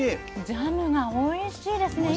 ジャムがおいしいですね。